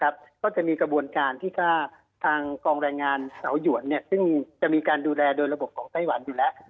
ก็จะมีกระบวนการที่ทางกองแรงงานเสาหยวนซึ่งจะมีการดูแลโดยระบบของไต้หวันอยู่แล้ว